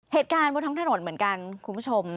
เหตุการณ์บนท้องถนนเหมือนกันคุณผู้ชม